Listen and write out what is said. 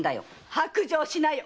白状しなよ